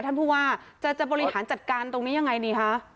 ท่านผู้ว่าจะบริหารจัดการตรงนี้ยังไงดีคะ